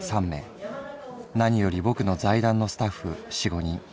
何よりぼくの財団のスタッフ四五人。